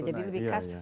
jadi lebih khas